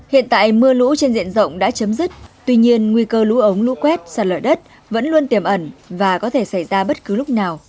hiện tại mưa lũ trên diện rộng đã chấm dứt tuy nhiên nguy cơ lũ ống lũ quét sạt lở đất vẫn luôn tiềm ẩn và có thể xảy ra bất cứ lúc nào